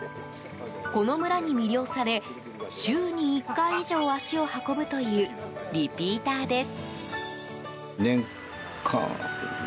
この村に魅了され週に１回以上、足を運ぶというリピーターです。